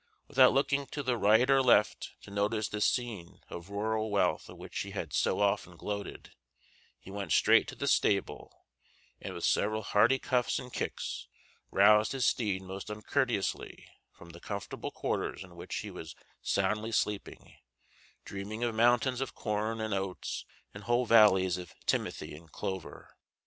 Without looking to the right or left to notice the scene of rural wealth on which he had so often gloated, he went straight to the stable, and with several hearty cuffs and kicks roused his steed most uncourteously from the comfortable quarters in which he was soundly sleeping, dreaming of mountains of corn and oats and whole valleys of timothy and clover.